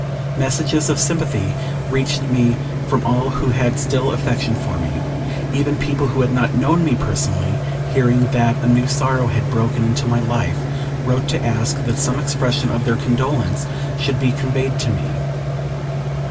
Messages of sympathy reached me from all who had still affection for me. Even people who had not known me personally, hearing that a new sorrow had broken into my life, wrote to ask that some expression of their condolence should be conveyed to me.